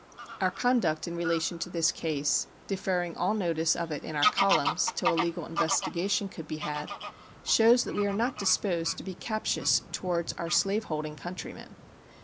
Our conduct in relation to this case, deferring all notice of it in our columns till a legal investigation could be had, shows that we are not disposed to be captious towards our slave holding countrymen.